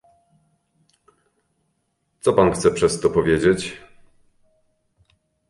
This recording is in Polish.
"Co pan chce przez to powiedzieć?"